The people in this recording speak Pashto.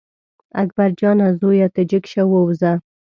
اکبر جانه زویه ته جګ شه ووځه.